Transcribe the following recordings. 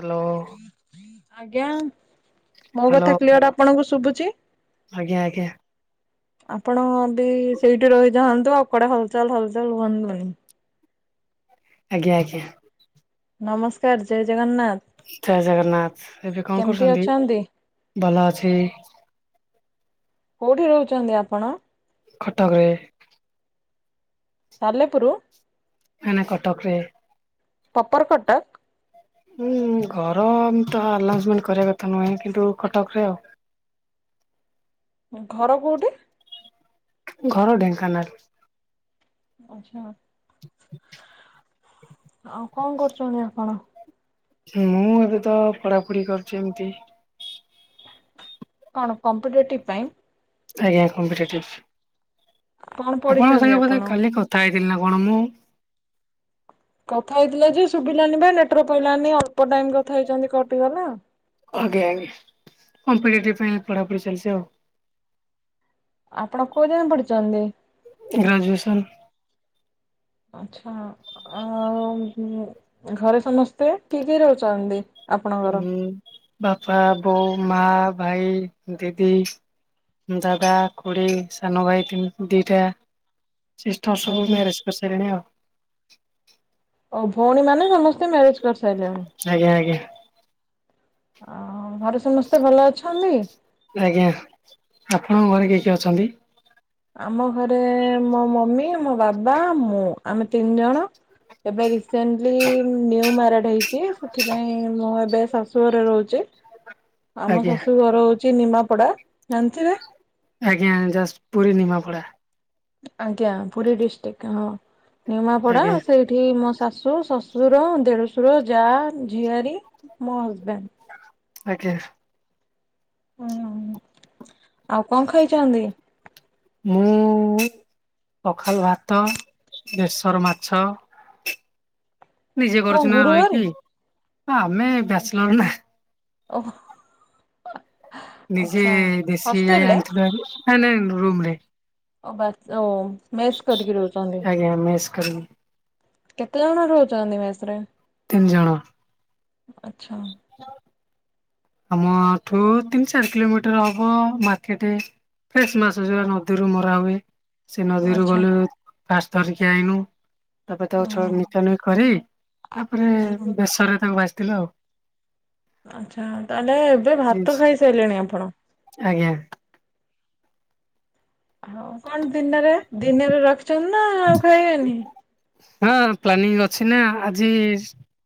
Hello ଆଜ୍ଞା ମୋ hello କଥା କ୍ଲିଅର ଆପଣଙ୍କୁ ଶୁବୁଚି? ଆଜ୍ଞା ଆଜ୍ଞା। ଆପଣ ବି ସେଇଠି ରହିଯାଆନ୍ତୁ ଆଉ କୁଆଡେ ହଲ୍ ଚଲ୍ ହଲ୍ ଚଲ୍ ହୁଅନ୍ତୁ ନାହିଁ। ଆଜ୍ଞା ଆଜ୍ଞା। ନମସ୍କାର୍ ଜୟ ଜଗନ୍ନାଥ। ଜୟ ଜଗନ୍ନାଥ ଏବେ କଣ କେମିତି କରୁଚନ୍ତି ଅଛନ୍ତି? ଭଲ ଅଛି। କଉଠି ରହୁଚନ୍ତି ଆପଣ? କଟକ ରେ। ସାଲେପୁରୁ। ନା ନା କଟକ ରେ। ପ୍ରପର କଟକ। ଉଁ ଘର ତ ଆନାଉନ୍ସମେଣ୍ଟ କରିବା କଥା ନୁହେଁ କିନ୍ତୁ କଟକ ରେ ଆଉ। ଘର କେଉଁଠି? ଘର ଢେଙ୍କାନାଳ। ଆଚ୍ଛା। [unintelligible] ଆଉ କଣ କରୁଛନ୍ତି ଆପଣ? ମୁଁ ଏବେ ତ ପଢାପଢି କରୁଛି ଏମିତି। କଣ କମ୍ପିଟେଟିଭ୍ ପାଇଁ। ଆଜ୍ଞା କମ୍ପିଟେଭୀ କଣ ଆପଣଙ୍କ ପଢିଛନ୍ତି ସାଙ୍ଗରେ ବଧେ ଆପଣ? କାଲି କଥା ହେଇଥିଲି ନା କଣ ମୁଁ। କଥା ହେଇଥିଲା ଯେ ଶୁଭିଲାନି ବା ନେଟୱର୍କ ପାଇଲନି ଅଳ୍ପ ଟାଇମ କଥା ହେଇଛନ୍ତି କଟିଗଲା। ଆଜ୍ଞା ଆଜ୍ଞା କମ୍ପିଟେଟିଭ ପାଇଁ ପଢାପଢି ଚାଲି ଆଉ। ଆପଣ କୋଉଯାଏଁ ପଡ଼ିଛନ୍ତି? ଗ୍ରଜୁଏସନ୍। ଆଛା ଆଉ ଘରେ ସମସ୍ତେ କିଏ କିଏ ରହୁଛନ୍ତି? ଆପଣଙ୍କର? ଉଁ ବାପା ବୋଉ ମା ଭାଇ ଦିଦି। ଦାଦା ଖୁଡ଼ି ସାନ ଭାଇ ତିନ ଦିଇଟା ସିଷ୍ଟର୍ ସବୁ ଆଜ୍ଞା। ମ୍ୟାରେଜ୍ କରିସାରିଲିଣି ଆଉ। ଆଉ ଭଉଣୀ ମାନେ ସମସ୍ତେ ମ୍ୟାରେଜ କରିସାରିଲେଣି। ଆଜ୍ଞା ଆଜ୍ଞା ଆଉ ଘରେ ସମସ୍ତେ ଭଲ ଅଛନ୍ତି। ଆଜ୍ଞା ଆପଣଙ୍କ ଘରେ କି କି ଅଛନ୍ତି। ଆମ ଘରେ ମୋ ମମି ମୋ ବାବା ମୁଁ ଆମେ ତିନି ଜଣ। ଏବେ ରିସେଣ୍ଟଲି ନିୱମା [unintelligible] ହେଇଛି ସେଥିପାଇଁ ମୁଁ ଏବେ ଶାଶୁ ଘରେ ରହୁଛି ଆଉ ମୋ ଆଜ୍ଞା ଶାଶୁ ଘର ହୋଉ ଚି ନିମାପଡା ଜାଣିଥିବେ। ଆଜ୍ଞା ଜାଷ୍ ପୁରୀ ନିମାପଡ଼ା। ଆଜ୍ଞା ପୁରୀ ଡିଷ୍ଟ୍ରିକ୍ଟ ହଁ ନିମାପଡା ଆଜ୍ଞା ସେଇ ଏଠି ମୋ ଶାଶୁ ଶ୍ୱଶୁର ଦେଢଶୁର ଯା ଝିଆରୀ ମୋ ହଜବେଣ୍ଡ। ଆଜ୍ଞ। ହୁଁ ଆଉ କଁ ଖାଇଛନ୍ତି? ମୁଁ ପଖାଲ ଭାତ ବେସର ମାଛ ନିଜେ କଣ କରୁଚୁ ନା ଗୁରୁବାରେ ରହିକି ଆମେ ବ୍ୟାଚଲର ନା। ଓହୋ। ନିଜେ ଆଚ୍ଛା ଦେଶି ଯାଇ ହଷ୍ଟେଲରେ ଆଣିଥିଲୁ ହାରି ନା ନା ରୁମ ରେ। ଓ ବା ଚୋ ମେସ୍ କରିକି ରହୁଛନ୍ତି। ଆଜ୍ଞା ମେସ୍ କରିକି କେତେ ଜଣ ରହୁଛନ୍ତି ମେସ ରେ। ତିନି ଜଣ। ଆଛା। ଆମଠୁ ତିନି ଚାରି କିଲୋମିଟର ହବ ମାର୍କେଟ ଫ୍ରେଶ ମାଛ ଯୋଉ ନଦୀରୁ ମ ଧରା ହୁଏ ସେ ନଦୀରୁ ଆଚ୍ଛା ଗଲୁ ଫାଷ୍ଟ ଧରିକି ଆଇଲୁ। ତାପରେ ତାକୁ ହଁ। ଛଡ ନିକା ନୁକି କରି ତାପରେ ବେଶରରେ ତାକୁ ଭାଜିଥିଲୁ ଆଉ। ଆଚ୍ଛା ତାହେଲେ ଏବେ ଭାତ ଖାଇସାରିଲେଣି ଆପଣ। ଆଜ୍ଞା। ହଉ କଣ ଦିନରେ ଦିନରେ ରଖିଛନ୍ତି ନା ଆଉ ଖାଇବେନି। ହଁ ପ୍ଲାନିଂ ଅଛି ନା ଆଜି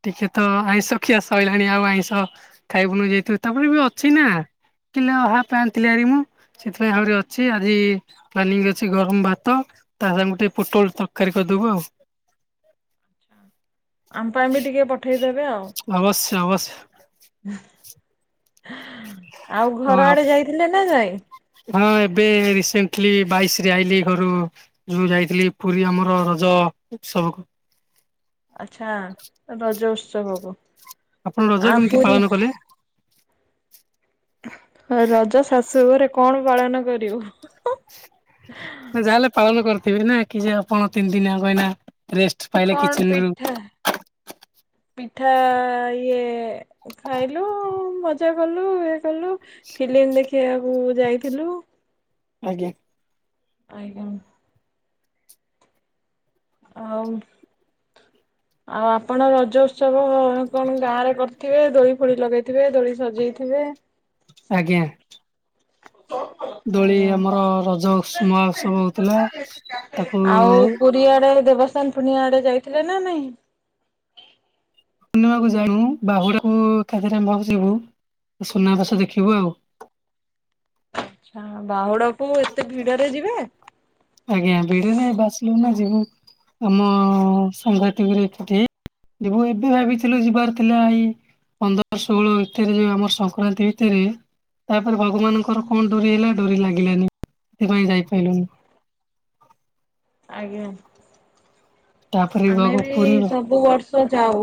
ଟିକେ ତ ଆଇଁଷ ଖିଆସଇଲାଣି ଆଉ ଆଇଁଷ ଖାଇବୁନୁ ଯେଇତୁ ତାପରେ ବି ଅଛି ନା। କିଲେ ଓ ହାଫ ଆଣିଥିଲି ଭାରି ମୁଁ। ସେଥିପାଇଁ ଆହୁରି ଅଛି ଆଜି ପ୍ଲାନିଂ ଅଛି ଗରମ ଭାତ ତା ସାଙ୍ଗରେ ଟିକେ ପୋଟଳ ତରକାରୀ କରିଦବୁ ଆଉ। ଆମ ପାଇଁ ବି ଟିକେ ପଠେଇଦେବେ ଆଉ। ଅବଶ୍ୟ ଅବଶ୍ୟ। ଆଉ ହଁ ଘର ଆପ ଆଡେ ଯାଇଥିଲେ ନା ନାଇଁ। ହଁ ଏବେ ରିସେଣ୍ଟଲି ବାଇଶରେ ଆଇଲି ଘରୁ। ଯୋଉ ଯାଇଥିଲି ପୁରୀ ଆମର ରଜ ଉତ୍ସବ କୁ। ଆଚ୍ଛା ରଜ ଉତ୍ସବକୁ। ଆପଣ ରଜ ଆ କେମିତି ପୁରୀ ପାଳନ କଲେ? ରଜ ଶାଶୁ ଘରେ କଣ ପାଳନ କରିବୁ। ନା ଯାହା ହେଲେ ପାଳନ କରିଥିବେ ନା କି ଯେ ଆପଣ ତିନି ଦିନି ଏଇନା ରେଷ୍--‌ କଣ ପିଠା ପିଠା ଇଏ ଖାଇଲୁ ମଜା କଲୁ ଇଏ କଲୁ ଫିଲ୍ମ ଦେଖିବାକୁ ଯାଇଥିଲୁ। ଆଜ୍ଞା। ଆଜ୍ଞା। ଆଉ ଆଉ ଆପଣ ରଜ ଉତ୍ସବ କଣ ଗାଁରେ କରି ଥିବେ ଦୋଳି ଫୋଳି ଲଗେଇଥିବେ ଦୋଳି ସଜେଇଥିବେ। ଆଜ୍ଞା। ଦୋଳି ଆଜ୍ଞା ଆମର ରଜ ଉସୁ ସବ ହଉଥିଲା ତାକୁ ଆଉ ପୁରୀ ଆଡେ ଦେବସ୍ଥାନ ପୁର୍ଣ୍ଣିମା ଆଡେ ଯାଇଥିଲେ ନା ନାଇଁ? ପୂର୍ଣ୍ଣିମାକୁ ଯାଉ ବାହୁଡାକୁ ଏକାଥରେ ଯିବୁ ସୁନାବେଶ ଦେଖିବୁ ଆଉ। ଆଚ୍ଛା ବାହୁଡ଼ାକୁ ମୁଁ ଏତେ ଭିଡରେ ଯିବେ? ଆଜ୍ଞା ଭିଡରେ ବସିଲୁ ନା ଯିବୁ ଆମ ସାଘାତିକ ରେଠି। ଯିବୁ ଏବେ ଭାବିଥିଲୁ ଯିବାର ଥିଲା, ଏଇ ପନ୍ଦର ଷୋହଳ ଭିତରେ ଯୋଉ ଆମର ସଂକ୍ରାନ୍ତି ଭିତରେ ତାପରେ ଭଗବାନଙ୍କର କଣ ଡୋରି ହେଲା ଡୋରି ଲାଗିଲାନି ସେଥିପାଇଁ ଯାଇପାରିଲୁନି। ଆ ତାପରେ ଆମେ ଘକୁ ବି ପୁରୀ ସବୁ ବର୍ଷ ବ ଯାଉ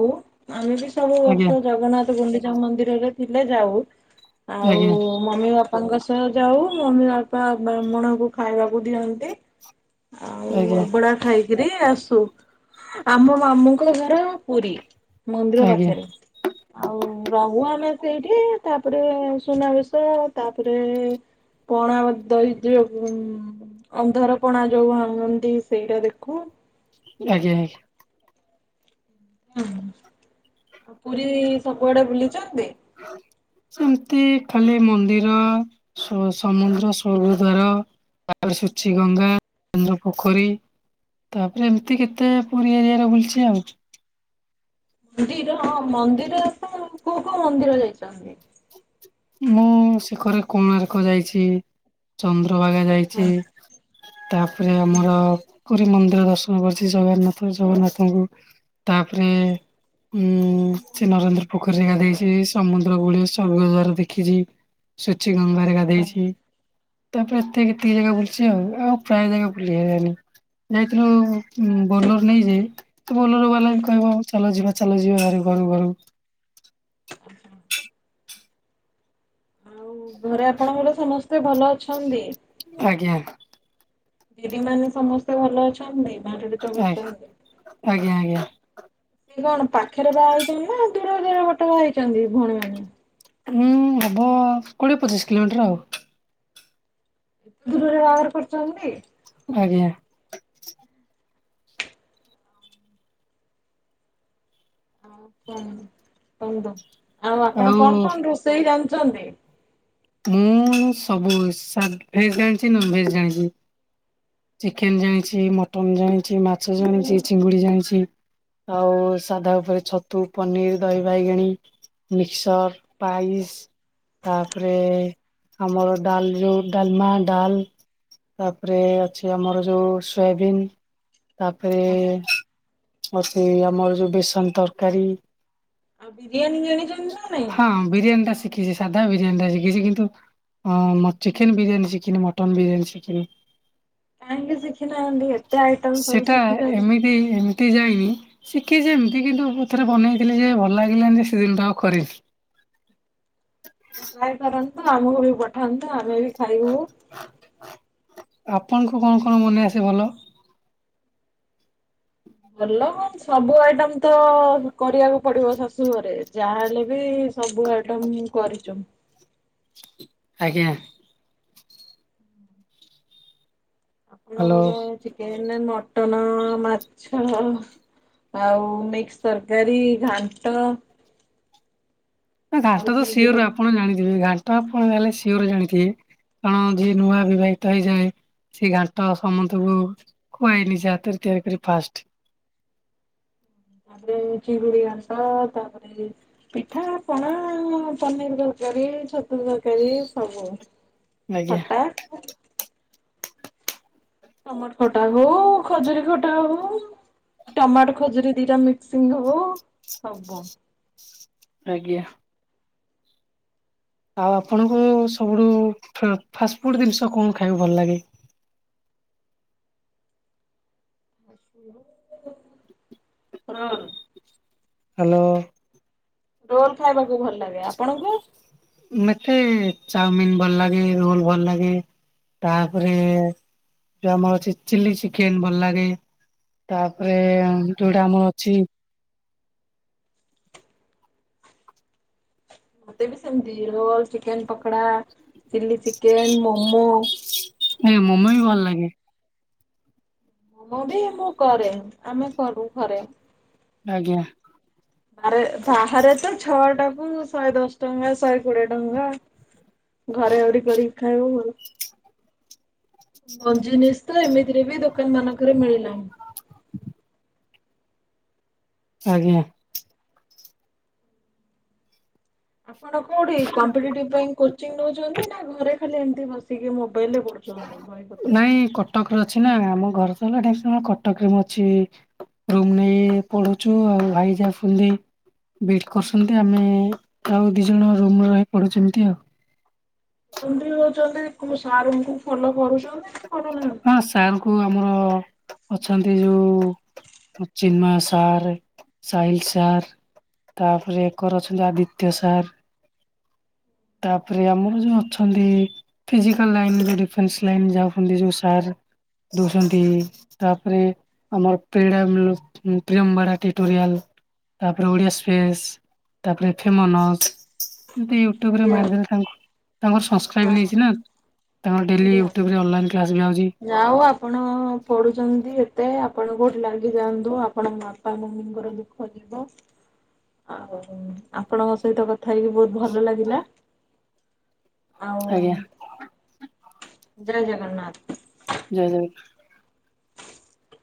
ଆମେ ବି ସବୁ ଆଜ୍ଞା ବର୍ଷ ଜଗନ୍ନାଥ ଗୁଣ୍ଡିଚା ମନ୍ଦିରରେ ଥିଲେ ଯାଉ। ଆଉ ଆଜ୍ଞା ମମି ବାପାଙ୍କ ସହ ଯାଉ ମମି ବାପା ବ୍ରାହ୍ମଣକୁ ଖାଇବାକୁ ଦିଅନ୍ତି। ଆଉ ଆଜ୍ଞା ଅଭଡା ଖାଇକିରି ଆସୁ। ଆମ ମାମୁଁଙ୍କ ଘର ପୁରୀ ଆଜ୍ଞା ମନ୍ଦିର ଆଜ୍ଞା ପାଖରେ। ଆଉ ରହୁ ଆମେ ସେଇଠି ତାପରେ ସୁନାବେଶ ତାପରେ ପଣା ଦେଇ ଦବୁ। ଅନ୍ଧାରପଣା ଯୋଉ ଭାଙ୍ଗନ୍ତି ସେଇଟା ଦେଖୁ। ଆଜ୍ଞା ଆଜ୍ଞା। ହୁଁ ଆଉ ପୁରୀ ସବୁଆଡେ ବୁଲିଛନ୍ତି? ସେମିତି ଖାଲି ମନ୍ଦିର ସମୁଦ୍ର ସ୍ବର୍ଗଦ୍ୱାର। ତାପରେ ସୁଚି ଗଙ୍ଗା, ଚନ୍ଦ୍ର ପୋଖରୀ। ତାପରେ ଏମିତି କେତେ ପୁରୀ ଏରିଆରେ ବୁଲଛି ଆଉ ପୁରୀ ହଁ ମନ୍ଦିର କୋଉ କୋଉ ମନ୍ଦିର ଯାଇଛନ୍ତି। ମୁଁ ଶିଖରେ କୋଣାର୍କ ଯାଇଛି। ଚନ୍ଦ୍ରଭାଗା ଯାଇଛି ତାପରେ ଆମର କରି ମନ୍ଦିର ଦର୍ଶନ କରିଛି ଜଗନ୍ନାଥ ଜଗନ୍ନାଥଙ୍କୁ ତାପରେ ଉଁ ସେ ନରେନ୍ଦ୍ର ପୋଖରୀରେ ଗାଦେଇଛି ସମୁଦ୍ର ଗୁଳି ସ୍ଵର୍ଗ ଦ୍ୱାର ଦେଖିଛି ସୂଚି ଗଙ୍ଗାରେ ଗାଧେଇଛି। ତାପରେ ଏତେ କେତିକି ଜାଗା ବୁଲଛି ଆଉ ଆଉ ପ୍ରାୟ ଜାଗା ବୁଲି ହେଇଗଲାଣିି ଯାଇଥିଲୁ। ବୋଲର ନେଇଯାଇ ଯେ ବୋଲର ବାଲା ବି କହିବ ଚାଲ ଯିବା ଚାଲ ଯିବା ଘରୁ ଘରୁ। [unintelligible] ଆଉ ଘରେ ଆପଣଙ୍କର ସମସ୍ତେ ଭଲ ଅଛନ୍ତି। ଆଜ୍ଞା। [inaudible] ମାନେ ସମସ୍ତେ। ତ ଭଲ ଅଛନ୍ତି ମାଟଡିଚ ଆଜ୍ଞା କରଛନ୍ତି ଆଜ୍ଞା ଆଜ୍ଞା। ସେ କଣ ପା ପାଖରେ ବାହା ହେଇଛନ୍ତି ନା ଦୂର ଦୂର ପଟ ବା ହେଇଛନ୍ତି ଭଉଣୀମାନେ ଉୁଁ ହବ କୋଡ଼ିଏ ପଚିଶ କିଲୋମିଟର ଆଉ। ଦୂରରେ ବ୍ୟବହାର କରୁଛନ୍ତି। ଆଜ୍ଞା। ହ କ କୁନ୍ତୁ ଆଉ ଆପଣ କଣ କଣ ରୋଷେଇ ଜାଣିଛନ୍ତି? ମୁଁ ସବୁ ଭେଜ ଜାଣିଛି ନନ ଭେଜ ଜାଣିଛି। ଚିକେନ ଜାଣିଛି ମଟନ ଜାଣିଛି ମାଛ ଜାଣିଛି ଚିଙ୍ଗୁଡି ଜାଣିଛି। ଆଉ ସାଧା ଉପରେ ଛତୁ ପନିର ଦହି ବାଇଗିଣୀ। ମିକ୍ସର ପାଇାଇସ୍। ତାପରେ ଆମର ଡାଲ ଯଉଁ ଡାଲମା ଡାଲ। ତାପରେ ଅଛି ଆମର ଯୋଉ ସୋୟାବିନ୍ ତାପରେ ଆଉ ସେ ଆମର ଯୋଉ ବେସନ ତରକାରୀ ଆଉ ବିରିୟାନୀ ଜାଣିଛନ୍ତି ନା ନାଇଁ? ହଁ ବିରିୟାନୀ ଟା ଶି ଖିଛି ସାଧା ବିରିୟାନୀ ଟା ଶିଖିଛି କିନ୍ତୁ ଅ, ମୁଁ ଚିକେନ୍ ବିରିୟାନୀ ଶିଖିନି, ମଟନ୍ ବିରିୟାନୀ ଶିଖିନି। କାହିଁକି ଶିଖିନାହାନ୍ତି? ଏତେ ଆଇଟମ ସବୁ ଶିଖିଛନ୍ତି। ହେ ଏମିତି ଯାଇନି। ଶିଖିଛି ଏମିତି କିନ୍ତୁ ମୁଁ ଥରେ ବନେଇଥିଲି ଯେ ଭଲ ଲାଗିଲାନି ଯେ ସେ ଦିନଠୁ ଆଉ କରିନି। [inaudible] ଟ୍ରାଏ କରନ୍ତୁ, ଆମକୁ ବି ପଠାନ୍ତୁ ଆମେ ବି ଖାଇବୁ। ଆପଣଙ୍କୁ କଣ କଣ ମନେ ଆସେ ଭଲ? ଭଲ କଣ ସବୁ ଆଇଟମ ତ କରିବାକୁ ପଡିବ ଶାଶୁ ଘରେ। ଯାହାହେଲେ ବି ସବୁ ଆଇଟମ କରିଚୁ। ଆଜ୍ଞା। ଆପଣ ହ୍ୟାଲୋ କହିଲେ ଚିକେନ୍, ମଟନ, ମାଛ ଆଉ ମିକ୍ସ ତରକାରୀ, ଘାଣ୍ଟ। ନା ଆଉ ଘାଣ୍ଟ ତ ଚିଙ୍ଗୁଡି ସିଓର୍ ଆପଣ ପକେଇକି ଜାଣିଥିବେ, ଘାଣ୍ଟ ଆପଣ ଯାହେଲେ ସିଓର୍ ଜାଣିଥିବେ। କାରଣ ଯିଏ ନୂଆ ବିବାହିତ ହେଇଯାଏ। ସେଇ ଘାଣ୍ଟ ସମୁସ୍ତକୁ ଖୁଆଏ ନିଜ ହାତରେ ତିଆରି କରି ଫାଷ୍ଟ। ତାପରେ ଚିଙ୍ଗୁଡି ଘାଣ୍ଟ, ତାପରେ ପିଠା ପଣା ହଁ ମୁଁ ପନିର୍ ତରକାରୀ, ଛତୁୁ ତରକାରୀ ସବୁ ଆଜ୍ଞା। ଖଟା। ଟମଟୋ ଖଟା ହଉ, ଖଜୁରୀ ଖଟା ହଉ। ଟମାଟୋ ଖଜୁରୀ ଦିଟା ମିକ୍ସିଂ ହବ ସବୁ। ଆଜ୍ଞା। ଆଉ ଆପଣଙ୍କୁ ସବୁଠୁ ଫ-ଫାଷ୍ଟଫୁଡ଼୍ ଜିନିଷ କଣ ଖାଇକୁ ଭଲ ଲାଗେ। [inaudible] Run hello. ରୋଲ୍ ଖାଇବାକୁ ଭଲ ଲାଗେ, ଆପଣଙ୍କୁ? ମୋତେ ଚାଉମିିନ୍ ଭଲ ଲାଗେ, ରୋଲ୍ ଭଲ ଲାଗେ। ତାପରେ ଯୋଉ ଆମର ଅଛି ଚିଲି ଚିକେନ୍ ଭଲ ଲାଗେ। ତାପରେ ଯୋଉଟା ଆମର ଅଛି ମୋତେ ବି ସେମତି roll, chicken pakora, chilli chicken, momo. ଏ ମୋମୋ ହିଁ ଭଲ ଲାଗେ। ମୁଁ ବି ମୁଁ କରେ ଆମେ କରୁ ଘରେ। ଆଜ୍ଞା। ଆରେ ବାହାରେ ତ ଛଅ ଟାକୁ ଶହେ ଦଶ ଟଙ୍କା ଶହେ କୋଡିଏ ଟଙ୍କା। ଘରେ ଆହୁରି କରିକି ଖାଇବୁ ଭଲ। ମଞ୍ଜୁନିସ୍ ତ ଏମିତିରେ ବି ଦୋକାନ ମାନଙ୍କରେ ମିଳିଲାଣି। [inaudible] ଆଜ୍ଞା। ଆପଣ କୋଉଠି କମ୍ପିଟିଟିଭ୍ ପାଇଁ କୋଚିଙ୍ଗ ନଉଛନ୍ତି ନା ଘରେ ଖାଲି ଏମିତି ବସିକି ମୋବାଇଲ୍ ରେ ପଢ? ନାଇଁ କଟକରେ ଅଛି ନା, ଆମ ଘର ତ ହେଲା ଢେଙ୍କାନାଳ। କଟକରେ ମୁଁ ଅଛି ରୁମ୍ ନେଇ ପଢୁଛୁ ଆଉ, ଭାଇ ଯେ ଆସନ୍ତି। ବି କରସନ୍ତି ଆମେ ଆଉ ଦି ଜଣ ରୁମ୍ ରେ ରହି ପଢ଼ୁଛୁ ଏମିତି ଆଉ। ଏମତି ହଉଛନ୍ତି କଣ ସାର୍ ଙ୍କୁ ଫଲୋ କରୁଛ? ତାଙ୍କୁ ଆମର ଅଛନ୍ତି ଯୋଉ ଚିନ୍ମୟ ସାର୍, ସାହିିଲ ସାର୍ ତାପରେ ଏକରେ ଅଛନ୍ତି ଆଦିତ୍ୟ ସାର। ତାପରେ ଆମର ଯୋଉ ଅଛନ୍ତି ଫିଜିିକଲ ଲାଇନ ବା ଡିଫେନ୍ସ ଲାଇନ ରେ ଯାଉଛନ୍ତି ଯେଉଁ ସାର୍। ଦେଉଛନ୍ତି ତାପରେ ଆମର ପ୍ରେଡ଼ ପ୍ରେମବାଡ଼ା ଟିଟୋରିଆଲ। ତାପରେ ଓଡିଆ ସ୍ପେସ୍, ତାପରେ ଫେମନସ ଏମିତି ୟୁ ଟ୍ୟୁବ୍ ରେ ଆଜ୍ଞା ମାର ଦେଲେ ତାଙ୍କୁ ତାଙ୍କର ସଂସ୍କ୍ରାଇବ ଯାହା ନେଇଛି ନା। ହଉ ତାଙ୍କର ଡେଲି ୟୁ ଟ୍ୟୁବ୍ ରେ ଅନାଇ କ୍ଲାସ ନିଆ ହେଉଛି। ଯାହା ହଉ ଆପଣ ପଢ଼ୁଛନ୍ତି ଏତେ, ଆପଣ କଉଠି ଲାଗି ଯାଆନ୍ତୁ। ଆପଣ ପାପା, ମମିଙ୍କର ଦୁଃଖ ଯିବ। ଆଉ ଆପଣଙ୍କ ସହିତ କଥା ହେଇକି ବହୁତ ଭଲ ଲାଗିଲା। ଆଜ୍ଞା ଆଉ ଜୟ ଜଗନ୍ନାଥ। ଜୟ ଜଗନ୍ନାଥ।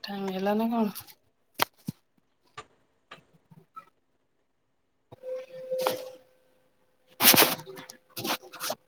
ଟାଇମ ହେଲା ନା କଣ? [inaudible]